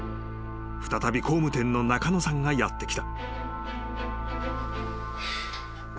［再び工務店の中野さんがやって来た］